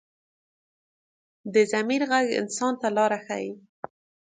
د ضمیر غږ انسان ته لاره ښيي